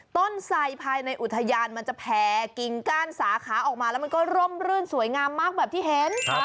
ไตภายในอุทยานมันจะแผ่กิ่งก้านสาขาออกมาแล้วมันก็ร่มรื่นสวยงามมากแบบที่เห็น